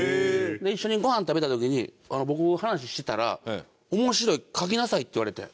一緒にごはん食べた時に僕話したら「面白い！書きなさい」って言われて。